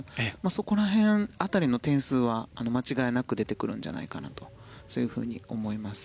そこら辺当たりの点数は間違いなく出てくるんじゃないかとそういうふうに思います。